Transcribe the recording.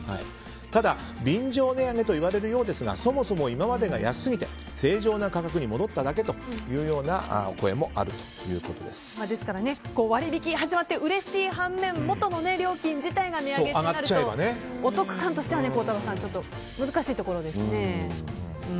ただ、便乗値上げと言われるようですがそもそも今までが安すぎて正常な価格に戻っただけというようなお声もですから割引きが始まってうれしい反面元の料金自体が値上げとなるとお得感としては孝太郎さん、難しいところですね。